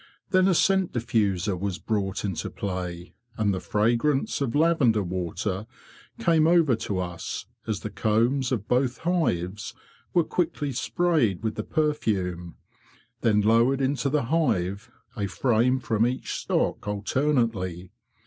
Then a scent diffuser was brought into play, and the fragrance of lavender water cate over to us, as the combs of both hives were quickly sprayed with the perfume, then lowered into the hive, a frame from each stock alternately.